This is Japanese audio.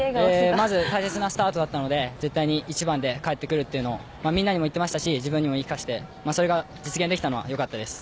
大切なスタートだったので絶対に１番で帰ってくるというのをみんなにも言ってましたし自分にも言い聞かせてそれが実現できたのは良かったです。